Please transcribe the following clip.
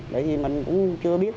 bởi vì mình cũng chưa biết là